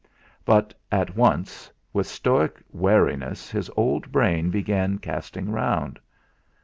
But, at once, with stoic wariness his old brain began casting round.